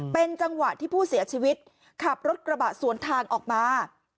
เป็นจังหวะที่ผู้เสียชีวิตขับรถกระบะสวนทางออกมา